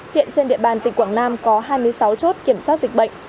hiện trên địa bàn tỉnh quảng nam có hai mươi sáu chốt kiểm soát dịch bệnh